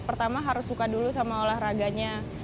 pertama harus suka dulu sama olahraganya